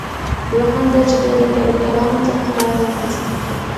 دوهم دا چې دوی له کاریګرانو څخه کار واخیست.